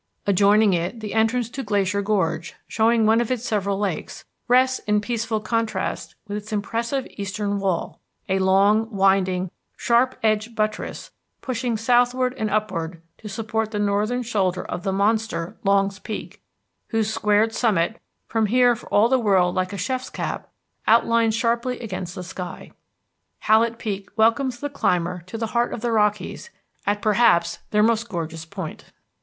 Adjoining it, the entrance to Glacier Gorge, showing one of its several lakes, rests in peaceful contrast with its impressive eastern wall, a long, winding, sharp edged buttress pushing southward and upward to support the northern shoulder of the monster, Longs Peak, whose squared summit, from here for all the world like a chef's cap, outlines sharply against the sky. Hallett Peak welcomes the climber to the Heart of the Rockies at perhaps their most gorgeous point.